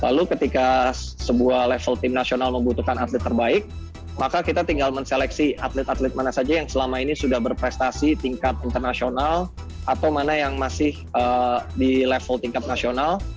lalu ketika sebuah level tim nasional membutuhkan atlet terbaik maka kita tinggal menseleksi atlet atlet mana saja yang selama ini sudah berprestasi tingkat internasional atau mana yang masih di level tingkat nasional